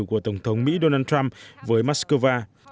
của tổng thống mỹ donald trump với moscow